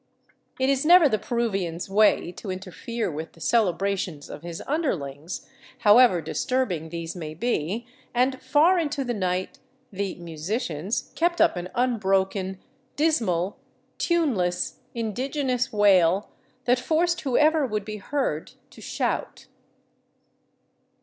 It is never the Peruvian's way to interfere with the celebrations of his underlings, however disturbing these may be, and far into the night the " musicians " kept up an unbroken, dismal, tuneless, indigenous wail that forced whoever would be heard to shout.